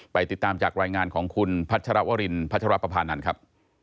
ติดตามจากรายงานของคุณพัชรวรินพัชรปภานันทร์ครับ